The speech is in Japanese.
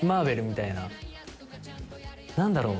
何だろう？